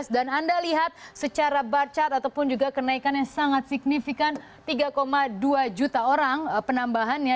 dan anda lihat secara barcat ataupun juga kenaikan yang sangat signifikan tiga dua juta orang penambahannya